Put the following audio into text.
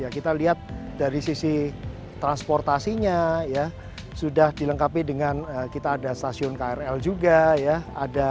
kita lihat dari sisi transportasinya sudah dilengkapi dengan kita ada stasiun krl juga ya